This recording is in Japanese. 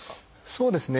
そうですね。